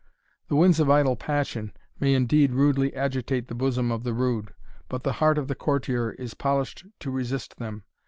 The winds of idle passion may indeed rudely agitate the bosom of the rude; but the heart of the courtier is polished to resist them.